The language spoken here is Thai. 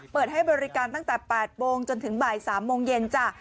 เปิดให้บริการตั้งแต่๘โมงจนถึงบ่าย๓โมงเย็นจ้ะ